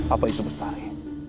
apa itu mustahari